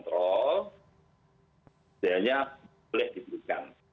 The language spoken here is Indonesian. seharianya boleh diperlukan